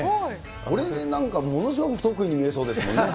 俺なんか、ものすごく不得意に見えそうですもんね。